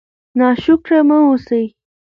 ناشکره مه اوسئ.